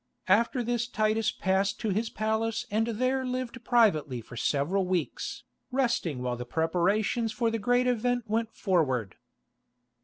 After this Titus passed to his palace and there lived privately for several weeks, resting while the preparations for the great event went forward.